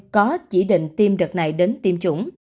có chỉ định tiêm đợt này đến tiêm chủng